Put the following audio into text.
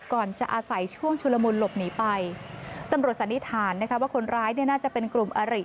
ก่อนจะอาศัยช่วงชุลมุนหลบหนีไปตำรวจสันนิษฐานนะคะว่าคนร้ายเนี่ยน่าจะเป็นกลุ่มอาริ